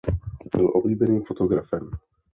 Byl oblíbeným fotografem.